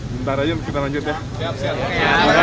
sebentar aja kita lanjut ya